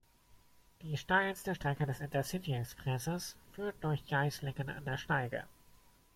Die steilste Strecke des Intercity-Expresses führt durch Geislingen an der Steige.